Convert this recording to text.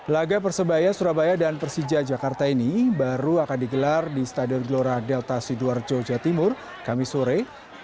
laga persebaya surabaya dan persija jakarta ini baru akan digelar di stadion gelora delta sidoarjo jawa timur kamisore